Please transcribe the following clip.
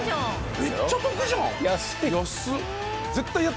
めっちゃ得じゃん。